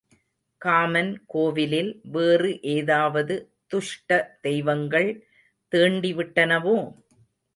Common கோவிலில் வேறு ஏதாவது துஷ்ட தெய்வங்கள் தீண்டி விட்டனவோ?